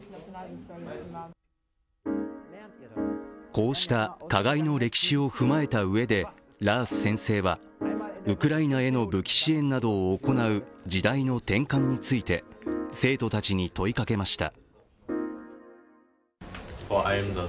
こうした加害の歴史を踏まえたうえでラース先生はウクライナへの武器支援などを行う時代の転換について生徒たちに問いかけました。